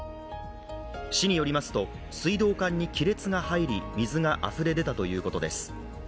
市によりますと、水道管に亀裂が入り、水があふれ出たということです。